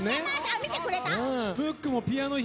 見てくれた⁉あっ！